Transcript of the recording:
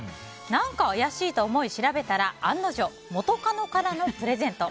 何か怪しいと思い調べたら、案の定元カノからのプレゼント。